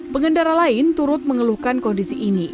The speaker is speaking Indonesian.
pengendara lain turut mengeluhkan kondisi ini